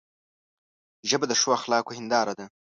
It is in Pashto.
ژبه د ښو اخلاقو هنداره ده